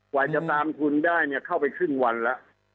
กว่าจะตามทุนได้เนี่ยเข้าไปครึ่งวันแล้ว